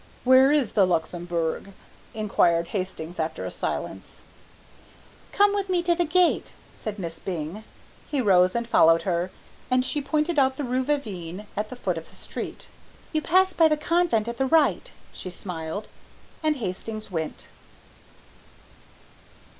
"Where is the Luxembourg?" inquired Hastings after a silence. "Come with me to the gate," said Miss Byng. He rose and followed her, and she pointed out the rue Vavin at the foot of the street. "You pass by the convent to the right," she smiled; and Hastings went.